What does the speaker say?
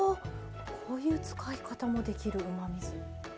こういう使い方もできるうまみ酢。